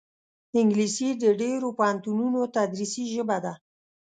انګلیسي د ډېرو پوهنتونونو تدریسي ژبه ده